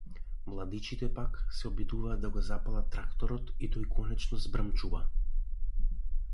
Младичите пак се обидуваат да го запалат тракторот и тој конечно забрмчува.